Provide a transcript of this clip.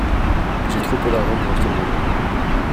J'ai trop peu d'argent pour acheter une maison.